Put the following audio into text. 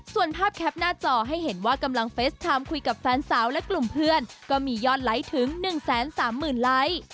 ส่วนภาพแคปหน้าจอให้เห็นว่ากำลังเฟสไทม์คุยกับแฟนสาวและกลุ่มเพื่อนก็มียอดไลค์ถึง๑๓๐๐๐ไลค์